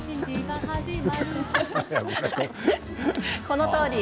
このとおり。